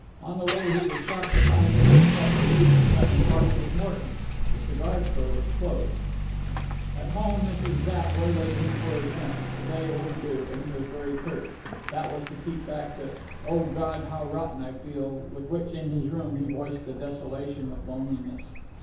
On the way he was shocked to find himself relieved at having parted with Morton. The cigar store was closed. At home Mrs. Zapp waylaid him for his rent (a day overdue), and he was very curt. That was to keep back the "O God, how rotten I feel!" with which, in his room, he voiced the desolation of loneliness.